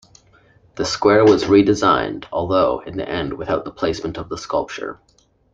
The square was redesigned although in the end without the placement of the sculpture.